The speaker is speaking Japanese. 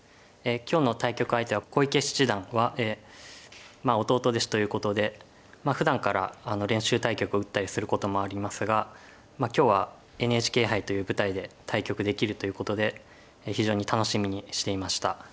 今日の対局相手は小池七段は弟弟子ということでふだんから練習対局を打ったりすることもありますが今日はＮＨＫ杯という舞台で対局できるということで非常に楽しみにしていました。